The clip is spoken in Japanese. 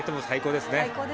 最高ですね。